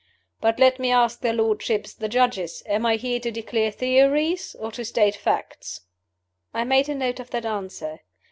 "But let me ask their lordships, the Judges: Am I here to declare theories or to state facts?" I made a note of that answer.